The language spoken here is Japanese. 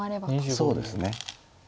そうですね。